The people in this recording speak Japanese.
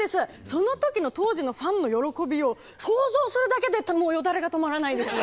その時の当時のファンの喜びよう想像するだけでよだれが止まらないですね。